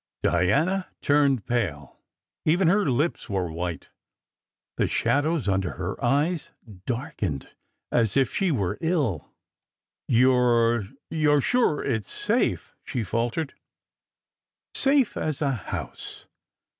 Diana turned pale. Even her lips were white. The shadows under her eyes darkened as if she were ill. "You re you re sure it s safe?" she faltered. "Safe as a house.